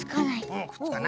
うんくっつかない。